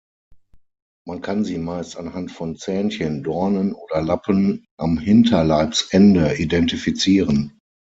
Man kann sie meist anhand von Zähnchen, Dornen oder Lappen am Hinterleibsende identifizieren.